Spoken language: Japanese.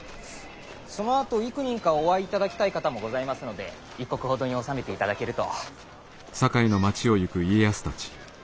そのあと幾人かお会いいただきたい方もございますので一刻ほどに収めていただけると。